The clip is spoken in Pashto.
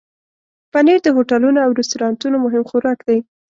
پنېر د هوټلونو او رستورانونو مهم خوراک دی.